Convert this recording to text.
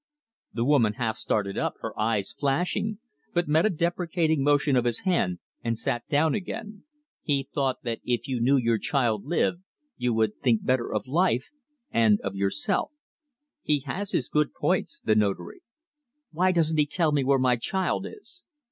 The woman half started up, her eyes flashing, but met a deprecating motion of his hand and sat down again. "He thought that if you knew your child lived, you would think better of life and of yourself. He has his good points, the Notary." "Why doesn't he tell me where my child is?"